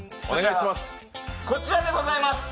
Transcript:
こちらでございます。